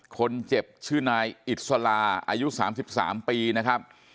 คนเจ็บชื่อนายอิสลาอายุ๓๓ปีนะครับ